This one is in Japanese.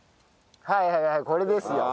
はいはいはいこれですよ。